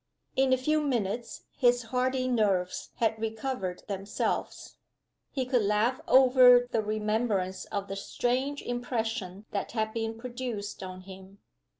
In a few minutes his hardy nerves had recovered themselves he could laugh over the remembrance of the strange impression that had been produced on him.